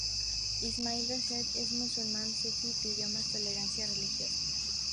Ismail Rasheed es un musulmán sufí y pidió más tolerancia religiosa.